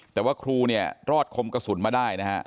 แต่ว่าครูเนี่ยรอดคมกระสุนมาได้นะฮะ